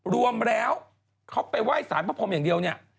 รวมแล้วเขาไปไหว้สารพระพรมอย่างเดียวเนี่ย